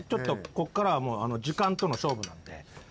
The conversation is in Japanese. こっからは時間との勝負なんで。